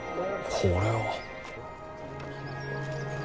これは。